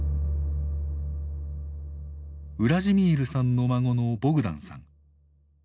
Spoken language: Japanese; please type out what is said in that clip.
ウラジミールさんの孫のボグダンさん。